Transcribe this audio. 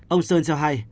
ông sơn cho hay